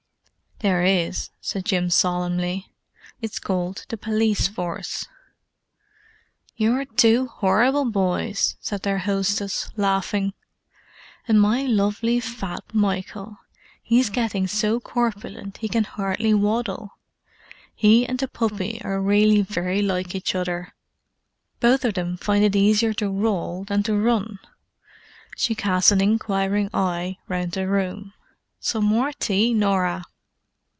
"There is," said Jim solemnly. "It's called the Police Force." "You're two horrible boys!" said their hostess, laughing. "And my lovely fat Michael!—he's getting so corpulent he can hardly waddle. He and the puppy are really very like each other; both of them find it easier to roll than to run." She cast an inquiring eye round the room: "Some more tea, Norah?"